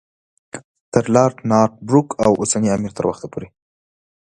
تر لارډ نارت بروک او اوسني امیر تر وخته پورې.